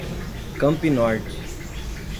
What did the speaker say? Campinorte